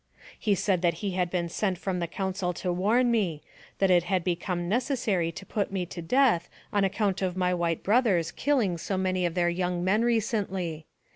He said that he had been sent from the council to warn me, that it had become necessary to put me to death, on account of my white brothers killing so many of their young men recently.